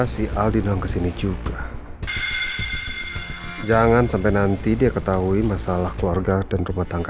sampai jumpa di video selanjutnya